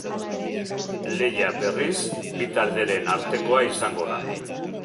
Lehia, berriz, bi talderen artekoa izango da.